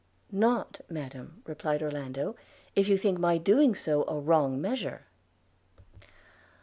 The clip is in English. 'Not, Madam,' replied Orlando, 'if you think my doing so a wrong measure.'